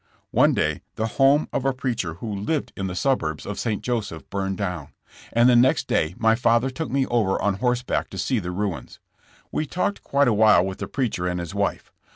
One day the home of a preacher who lived in Things t remi^mbkr of my father. 11 the suburbs of St. Joseph burned down, and the next day my father took me over on horseback to see the ruins. He talked quite awhile with the preacher and his wife.